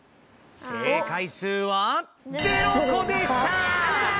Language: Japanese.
正解数は０個でした！